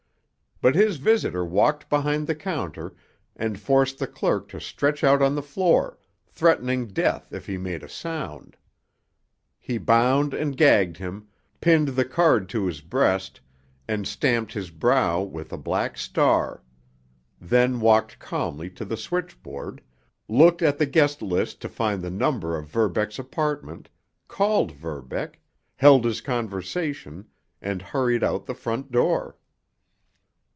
But his visitor walked behind the counter and forced the clerk to stretch out on the floor, threatening death if he made a sound. He bound and gagged him, pinned the card to his breast, and stamped his brow with a black star, then walked calmly to the switchboard, looked at the guest list to find the number of Verbeck's apartment, called Verbeck, held his conversation, and hurried out of the front door.